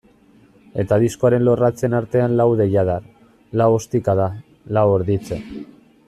Eta diskoaren lorratzen artean lau deiadar, lau ostikada, lau erditze.